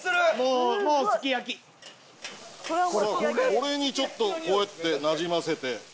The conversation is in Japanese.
これにちょっとこうやってなじませて。